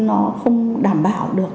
nó không đảm bảo được